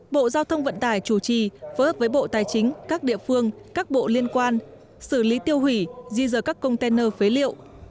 bộ giao thông vận tải chủ trì phối hợp với bộ tài chính các địa phương các bộ liên quan xử lý tiêu hủy di rời các container phế liệu